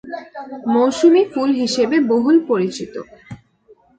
মৌসুমী ফুল হিসেবে বহুল পরিচিত।